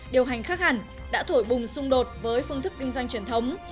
điều hành khác hẳn đã thổi bùng xung đột với phương thức kinh doanh truyền thống